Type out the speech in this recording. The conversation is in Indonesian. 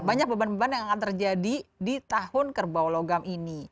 banyak beban beban yang akan terjadi di tahun kerbau logam ini